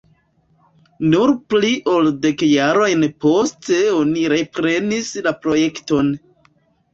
Nur pli ol dek jarojn poste oni reprenis la projekton.